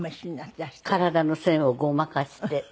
体の線をごまかして。